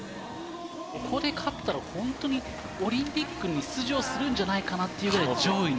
ここで勝ったら本当にオリンピックに出場するんじゃないかなっていうぐらい上位に。